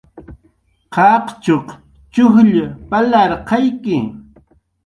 Qaqchuq chujll palarqayki